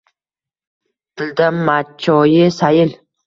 Tilda machchoyi sayil